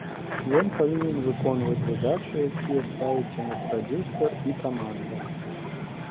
Ён павінен выконваць задачы, якія ставіць яму прадзюсар і каманда.